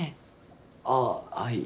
ああはい。